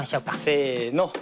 せの。